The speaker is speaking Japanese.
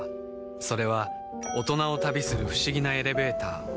それは大人を旅する不思議なエレベーター